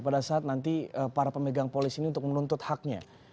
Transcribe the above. pada saat nanti para pemegang polis ini untuk menuntut haknya